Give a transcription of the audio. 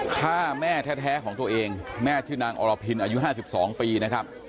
ฆ่าแม่แท้ของตัวเองแม่ชื่อนางอรพินอายุ๕๒ปีนะครับ